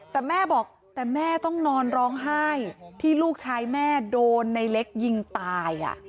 แต่แม่บอกแต่แม่ต้องนอนร้องไห้ที่ลูกชายแม่โดนในเล็กยิงตาย